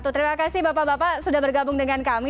terima kasih bapak bapak sudah bergabung dengan kami